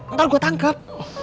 ntar gua tangkep